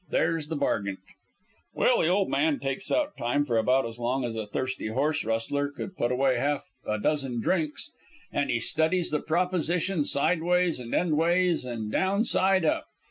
There's the bargint.' "Well, the ol' man takes out time for about as long as a thirsty horse rustler could put away half a dozen drinks an' he studies the proposition sideways and endways an' down side up.